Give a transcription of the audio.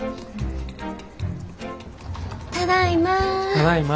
ただいま。